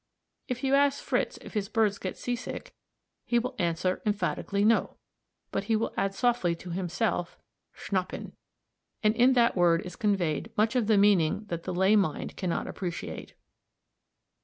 If you ask Fritz if his birds get seasick, he will answer emphatically "No;" but he will add softly to himself "schnappen." And in that word is conveyed much of meaning that the lay mind cannot appreciate.